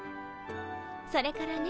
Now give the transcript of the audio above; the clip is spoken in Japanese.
それからね